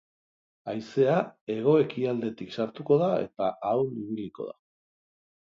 Haizea hego-ekialdetik sartuko da eta ahul ibiliko da.